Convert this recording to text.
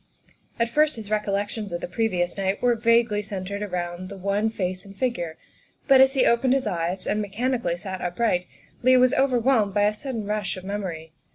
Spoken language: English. At first his recollections of the previous night were vaguely centred about the one face and figure, but as he opened his eyes and mechanically sat upright Leigh was overwhelmed by a sudden rush of memory.